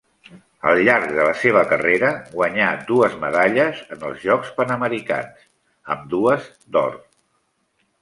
Al llarg de la seva carrera guanyà dues medalles en els Jocs Panamericans, ambdues d'or.